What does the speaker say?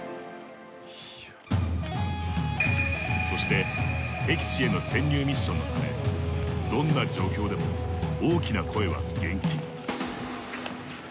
そして敵地への潜入ミッションのためどんな状況でも大きな声は厳禁。